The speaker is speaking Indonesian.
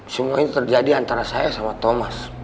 semua ini terjadi antara saya sama thomas